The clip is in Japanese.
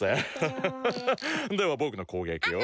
ハハハハではぼくのこうげきを。